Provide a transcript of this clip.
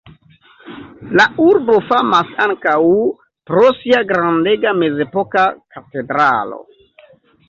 La urbo famas ankaŭ pro sia grandega mezepoka katedralo.